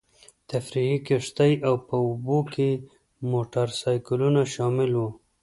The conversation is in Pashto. تفریحي کښتۍ او په اوبو کې موټرسایکلونه شامل وو.